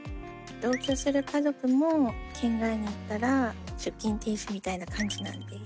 同居する家族も県外に行ったら出勤停止みたいな感じなんで。